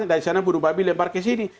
dari sana bunuh babi lembar ke sini